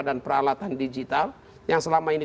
dan peralatan digital yang selama ini